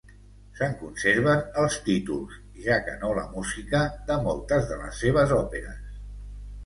Se'n conserven els títols, ja que no la música, de moltes de les seves òperes.